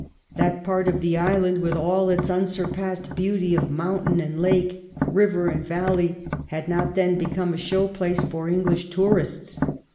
That part of the island, with all its unsurpassed beauty of mountain and lake, river and valley, had not then become a show place for English tourists.